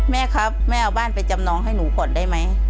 แม่ครับแม่เอาบ้านไปจำนองให้หนูก่อนได้ไหม